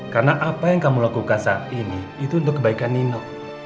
karena apa yang kamu lakukan saat ini itu untuk kebaikan nino